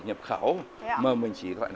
nhập khẩu hết chứ